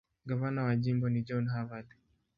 Gavana wa jimbo ni John Harvard.